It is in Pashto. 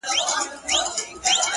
په هغې باندي چا کوډي کړي-